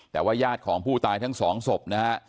แต่ว่าญาติของผู้ตายทั้งสองศพนะฮะ